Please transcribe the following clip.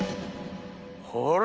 ほら！